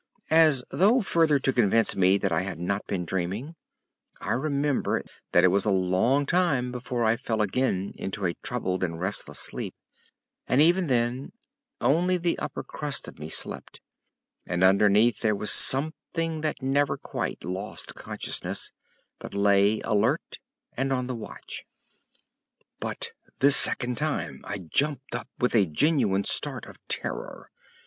III. As though further to convince me that I had not been dreaming, I remember that it was a long time before I fell again into a troubled and restless sleep; and even then only the upper crust of me slept, and underneath there was something that never quite lost consciousness, but lay alert and on the watch. But this second time I jumped up with a genuine start of terror.